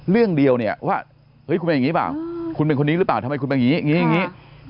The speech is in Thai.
เรื่องเดียวเนี่ยว่าเฮ้ยคุณเป็นอย่างนี้เปล่าคุณเป็นคนนี้หรือเปล่าทำไมคุณเป็นอย่างนี้อย่างนี้